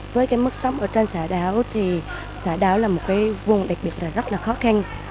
với mức sống ở trên xã đảo xã đảo là một vùng đặc biệt rất khó khăn